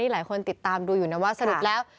หลายคนติดตามดูอยู่นะว่าสรุปแล้ว